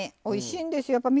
おいしいんですよ。